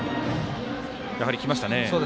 やはり、きましたね。